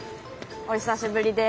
お久しぶりです。